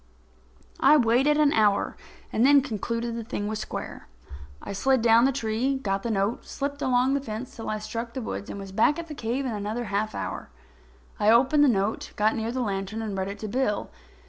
I waited an hour and then concluded the thing was square. I slid down the tree, got the note, slipped along the fence till I struck the woods, and was back at the cave in another half an hour. I opened the note, got near the lantern and read it to Bill.